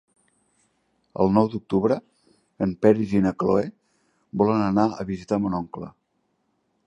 El nou d'octubre en Peris i na Cloè volen anar a visitar mon oncle.